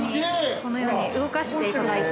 このように動かしていただいて。